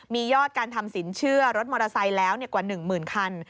มียอดการทำสินเชื่อรถมอเตอร์ไซค์แล้วกว่า๑หมื่นคัน